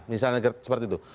misalnya seperti itu